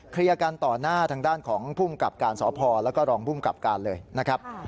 กันต่อหน้าทางด้านของภูมิกับการสพแล้วก็รองภูมิกับการเลยนะครับ